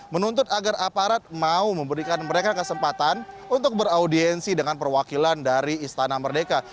menuntut agar aparat mau memberikan mereka kesempatan untuk beraudiensi dengan perwakilan dari istana merdeka